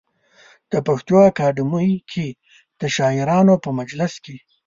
د پښتو اکاډمۍ کې د شاعرانو په مجلس کې.